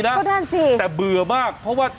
ซึ่งชาวบ้านหรือพ่อค้าแม่ค้าเขาบอกว่าที่ผ่านมาเนี่ย